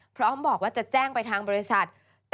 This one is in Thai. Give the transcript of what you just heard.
พร้อมบอกว่าจะแจ้งไปทางบริษัท